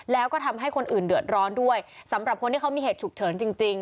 แล้วก็ทำให้คนอื่นเดือดร้อนด้วยสำหรับคนที่เขามีเหตุฉุกเฉินจริง